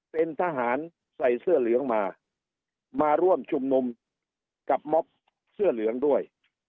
เป็นทหารใส่เสื้อเหลืองมามาร่วมชุมนุมกับม็อบเสื้อเหลืองด้วย